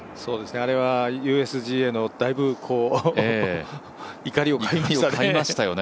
あれはＵＳＧＡのだいぶ怒りを買いましたよね。